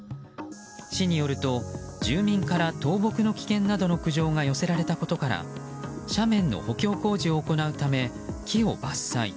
市によると住民から倒木の危険などの苦情が寄せられたことから斜面の補強工事を行うため木を伐採。